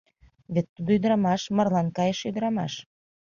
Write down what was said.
Вет тудо ӱдырамаш, марлан кайыше ӱдырамаш.